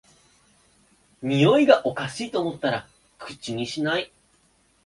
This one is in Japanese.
においがおかしいと思ったら口にしない